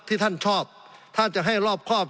สงบจนจะตายหมดแล้วครับ